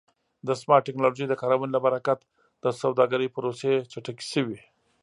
د سمارټ ټکنالوژۍ د کارونې له برکت د سوداګرۍ پروسې چټکې شوې.